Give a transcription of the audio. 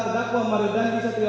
terdakwa mario dandi setrio